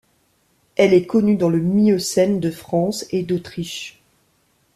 Elle est connue dans le Miocène de France et d'Autriche.